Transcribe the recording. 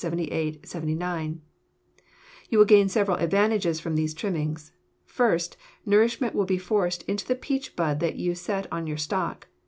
You will gain several advantages from these trimmings. First, nourishment will be forced into the peach bud that you set on your stock.